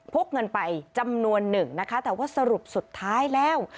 กเงินไปจำนวนหนึ่งนะคะแต่ว่าสรุปสุดท้ายแล้ว